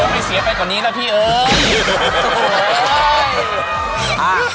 ไม่เสียไปกว่านี้แล้วพี่เอิ้ง